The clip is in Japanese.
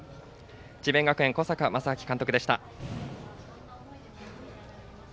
智弁学園、小坂将商監督でした。